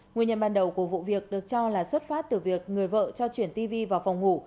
nguyên nhân ban đầu của vụ việc được cho là xuất phát từ việc người vợ cho chuyển tv vào phòng ngủ